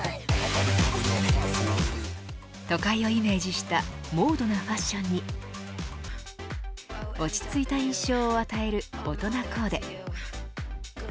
都会をイメージしたモードなファッションに落ち着いた印象を与える大人コーデ。